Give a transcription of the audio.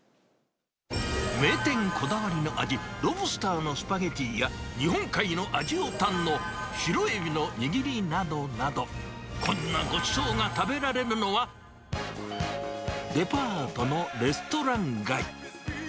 名店こだわりの味、ロブスターのスパゲティや日本海の味を堪能、白エビの握りなどなど、こんなごちそうが食べられるのは、デパートのレストラン街。